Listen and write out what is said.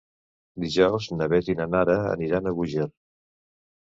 Dijous na Beth i na Nara aniran a Búger.